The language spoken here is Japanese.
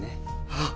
ああ。